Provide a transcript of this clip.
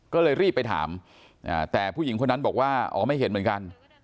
ก็เลยรีบไปถามแต่ผู้หญิงคนนั้นบอกว่าอ๋อไม่เห็นเหมือนกัน